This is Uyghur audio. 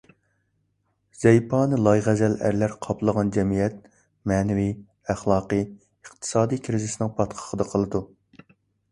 زەيپانە، لايغەزەل ئەرلەر قاپلىغان جەمئىيەت مەنىۋى، ئەخلاقىي، ئىقتىسادىي كرىزىسنىڭ پاتقىقىدا قالىدۇ.